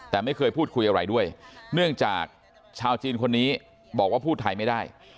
แต่ไม่เคยพูดคุยอะไรด้วยเนื่องจากชาวจีนคนนี้บอกว่าพูดไทยไม่ได้